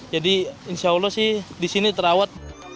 jadi insya allah sih di sini terawat